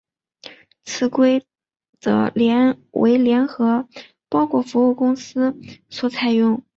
此规则为联合包裹服务公司所采用。